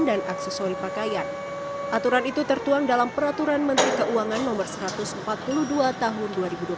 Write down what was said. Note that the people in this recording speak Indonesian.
dan aksesori pakaian aturan itu tertuang dalam peraturan menteri keuangan nomor satu ratus empat puluh dua tahun dua ribu dua puluh satu